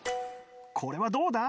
これはどうだ？